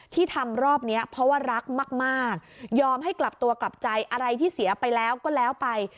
ที่ทำรอบนี้เพราะว่ารักมากยอมให้กลับตัวกลับใจอะไรที่เสียไปแล้วก็แล้วไป